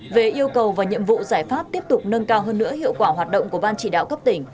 về yêu cầu và nhiệm vụ giải pháp tiếp tục nâng cao hơn nữa hiệu quả hoạt động của ban chỉ đạo cấp tỉnh